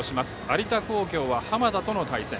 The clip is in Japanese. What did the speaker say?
有田工業は浜田との対戦。